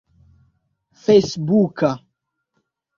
fejsbuka